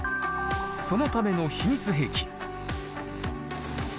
そのための秘密兵器。